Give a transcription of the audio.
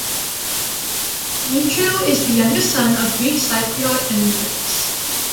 Demetriou is the youngest son of Greek Cypriot immigrants.